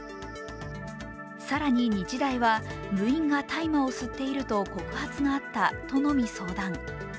更に日大は、部員が大麻を吸っていると告発があったとのみ相談。